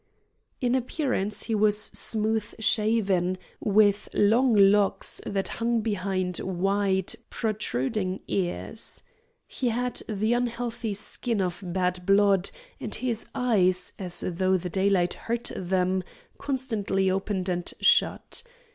In appearance he was smooth shaven, with long locks that hung behind wide, protruding ears. He had the unhealthy skin of bad blood, and his eyes, as though the daylight hurt them, constantly opened and shut.